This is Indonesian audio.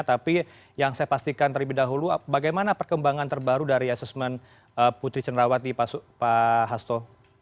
tapi yang saya pastikan terlebih dahulu bagaimana perkembangan terbaru dari asesmen putri cenrawati pak hasto